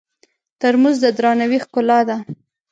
ترموز د درناوي ښکلا ده.